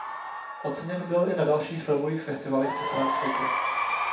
Oceněn byl i na dalších filmových festivalech po celém světě.